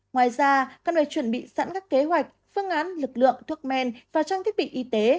ngoài ra các nơi chuẩn bị sẵn các kế hoạch phương án lực lượng thuốc men và trang thiết bị y tế